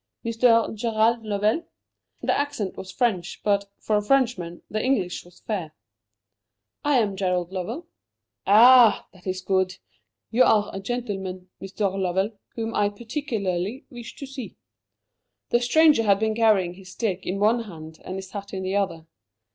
"Mr. Gerald Lovell?" The accent was French, but, for a Frenchman, the English was fair. "I am Gerald Lovell." "Ah! That is good! You are a gentleman, Mr. Lovell, whom I particularly wish to see." The stranger had been carrying his stick in one hand and his hat in the other.